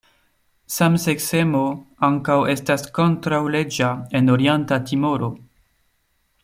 Samseksemo ankaŭ estas kontraŭleĝa en Orienta Timoro.